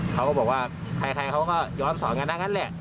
เขาก็บอกว่าใครเขาก็ย้อนสอนกันได้งั้นแหละ